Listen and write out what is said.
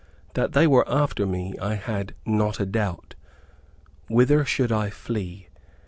That they were after me, I had not a doubt. Whither should I flee?